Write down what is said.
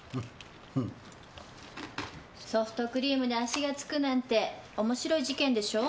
ソフトクリームで足がつくなんて面白い事件でしょ？